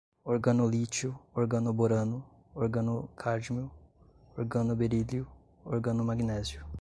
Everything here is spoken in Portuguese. organolítio, organoborano, organocádmio, organoberílio, organomagnésio